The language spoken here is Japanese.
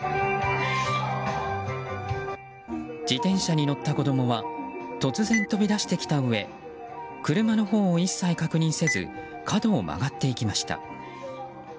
自転車に乗った子供は突然、飛び出してきたうえ車のほうを一切確認せず角を曲がっていきました。